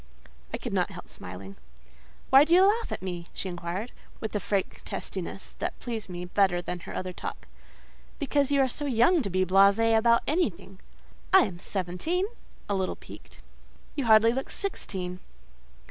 I could not help smiling. "Why do you laugh at me?" she inquired, with a frank testiness that pleased me better than her other talk. "Because you are so young to be blasée about anything." "I am seventeen" (a little piqued). "You hardly look sixteen.